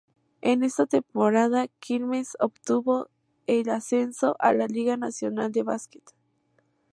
En esa temporada, Quilmes obtuvo el ascenso a la Liga Nacional de Básquet.